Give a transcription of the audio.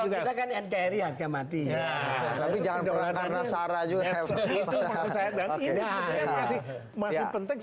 juga kan ngeri ngeri mati tapi jangan pernah karena sarah juga itu maksudnya masih penting